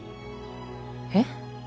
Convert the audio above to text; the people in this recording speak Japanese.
えっ？